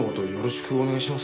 よろしくお願いします！